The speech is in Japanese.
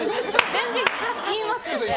全然言いますので。